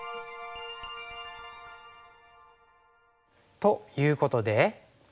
ということで。